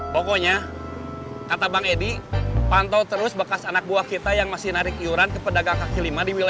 pokoknya kata bang edi pantau terus bekas anak buah kita yang masih menarik yuran ke pedagang kak kilimang